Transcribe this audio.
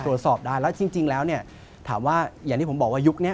ตรวจสอบได้แล้วจริงแล้วเนี่ยถามว่าอย่างที่ผมบอกว่ายุคนี้